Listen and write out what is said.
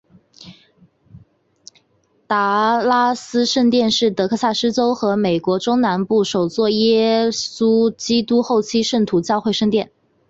达拉斯圣殿是得克萨斯州和美国中南部首座耶稣基督后期圣徒教会圣殿。